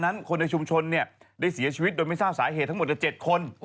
จากนั้นคนในชุมชนได้เสียชีวิตโดยไม่เศร้าสาเหตุทั้งหมดกับ๗คน